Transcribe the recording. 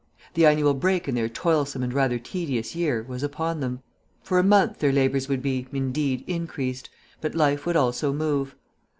The annual break in their toilsome and rather tedious year was upon them. For a month their labours would be, indeed, increased, but life would also move.